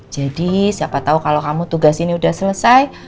jadi siapa tau kalo kamu tugas ini udah selesai